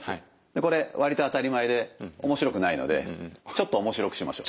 これ割と当たり前で面白くないのでちょっと面白くしましょう。